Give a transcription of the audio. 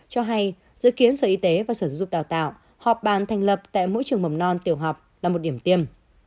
cho hay dự kiến sở y tế và sở dục đào tạo họp bàn thành lập tại mỗi trường mầm non tiểu học là một điểm tiêm